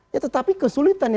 ya tetapi kesulitannya